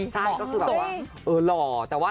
ใช่ก็คือแบบว่า